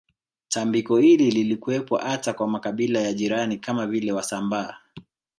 Tambiko hili lilikuwepo hata kwa makabila ya jirani kama vile wasambaa